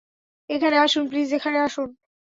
এখানে আসুন, প্লিজ এখানে আসুন।